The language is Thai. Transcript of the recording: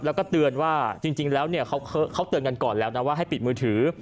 แล้วก็เตือนว่าจริงแล้วเนี่ยเขาเตือนกันก่อนแล้วนะว่าให้ปิดมือถือ